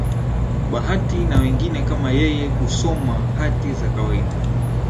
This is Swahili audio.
Bahati na wengine kama yeye kusoma hati za kawaida